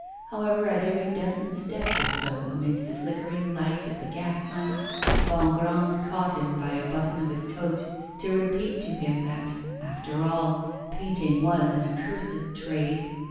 However, at every dozen steps or so, amidst the flickering light of the gaslamps, Bongrand caught him by a button of his coat, to repeat to him that, after all, painting was an accursed trade.